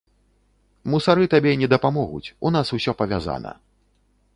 Мусары табе не дапамогуць, у нас усё павязана.